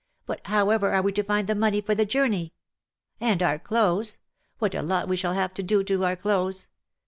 ''' But however are we to find the money for the journey ? And our clothes — what a lot we shall have to do to our clothes.